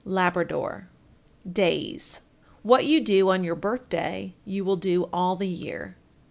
Labrador. DAYS. 1419. What you do on your birthday, you will do all the year.